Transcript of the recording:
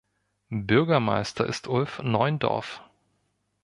Bürgermeister ist Ulf Neundorf.